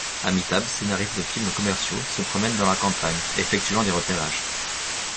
Amithab, scénariste de films commerciaux, se promène dans la campagne, effectuant des repérages.